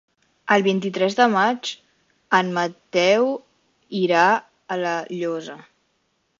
El vint-i-tres de maig en Mateu irà a La Llosa.